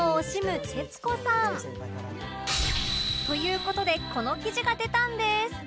という事でこの記事が出たんです！